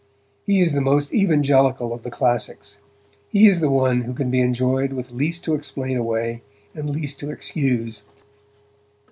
He is the most evangelical of the classics; he is the one who can be enjoyed with least to explain away and least to excuse.